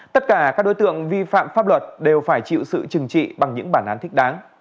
tất cả các đối tượng vi phạm pháp luật đều phải chịu sự trừng trị bằng những bản án thích đáng